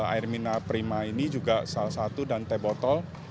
air mina prima ini juga salah satu dan t botol